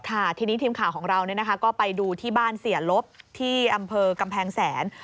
ค่ะทีนี้ทีมข่าวของเราก็ไปดูที่บ้านเสียลบที่อำเภอกำแพงแสน